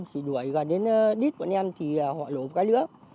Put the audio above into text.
thì đuổi gần đến đít bọn em thì họ lùm cái nữa